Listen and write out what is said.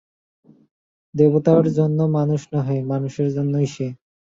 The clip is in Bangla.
দেবতার জন্য মানুষ নহে, মানুষের জন্যই সে।